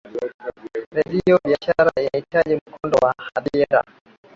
redio ya biashara inahitaji mkondoni wa hadhira